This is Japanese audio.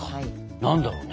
何だろうね。